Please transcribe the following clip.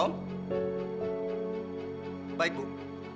aku mau ke kantor